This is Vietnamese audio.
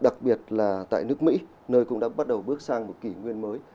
đặc biệt là tại nước mỹ nơi cũng đã bắt đầu bước sang một kỷ nguyên mới